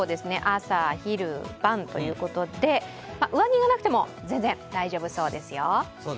朝、昼、晩ということで、上着がなくても全然大丈夫そうですよ。